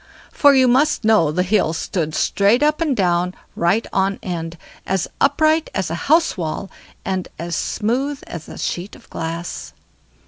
For you must know the hill stood straight up and down right on end, as upright as a house wall, and as smooth as a sheet of glass.